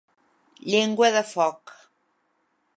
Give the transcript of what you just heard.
Llengua de foc.